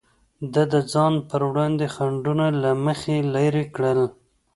ده د ځان پر وړاندې خنډونه له مخې لرې کړل.